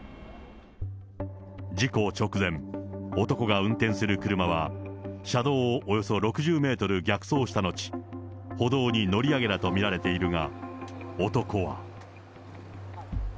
事故直前、男が運転する車は、車道をおよそ６０メートル逆走した後、歩道に乗り上げたと見られているが、男は。